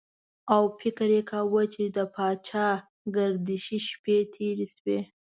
او فکر یې کاوه چې د پاچاګردشۍ شپې تېرې شوې.